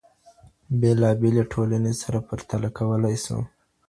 بېلابېلې ټولنې سره پرتله کولای سو.